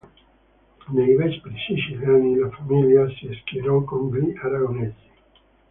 Nei Vespri siciliani la famiglia si schierò con gli aragonesi.